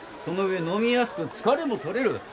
その上飲みやすく疲れも取れる。